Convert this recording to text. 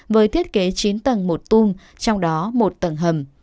với thiết kế chín tầng một tung trong đó một tầng hầm